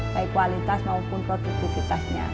baik kualitas maupun produktivitasnya